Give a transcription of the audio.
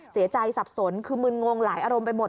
เสียใจสับสนคือมึงงงหลายอารมณ์ไปหมด